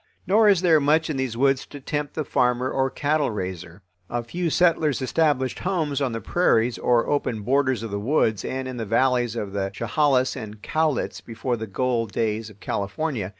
Nor is there much in these woods to tempt the farmer or cattle raiser. A few settlers established homes on the prairies or open borders of the woods and in the valleys of the Chehalis and Cowlitz before the gold days of California.